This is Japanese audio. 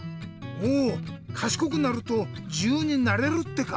おかしこくなるとじゆうになれるってか。